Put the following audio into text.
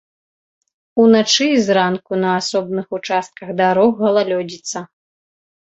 Уначы і зранку на асобных участках дарог галалёдзіца.